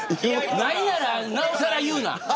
ないなら、なおさら言うな。